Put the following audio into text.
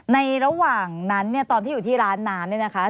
ในระหว่างนั้นตอนที่อยู่ที่ร้านน้ำ